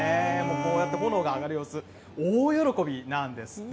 こうやって炎が上がる様子、大喜びなんですって。